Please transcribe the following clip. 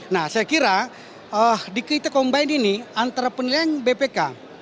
nah saya kira dikritik combine ini antara penilaian bpk